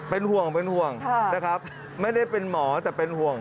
เป็นห่วงเป็นห่วงนะครับไม่ได้เป็นหมอแต่เป็นห่วง